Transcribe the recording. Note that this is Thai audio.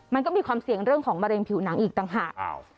มันก็มีความเสี่ยงเรื่องของมะเร็งผิวหนังอีกต่างหาก